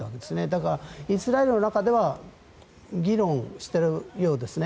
だからイスラエルの中では議論しているようですね。